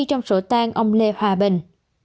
ghi trong sổ tang ông lê hòa bình